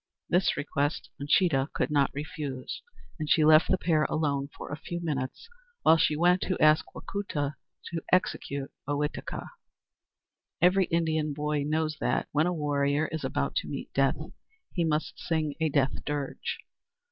This request Uncheedah could not refuse, and she left the pair alone for a few minutes, while she went to ask Wacoota to execute Ohitika. Every Indian boy knows that, when a warrior is about to meet death, he must sing a death dirge.